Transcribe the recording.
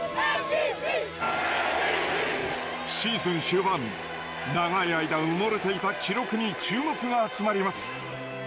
シーズン終盤長い間埋もれていた記録に注目が集まります。